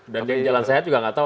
dan jalan sehat juga nggak tahu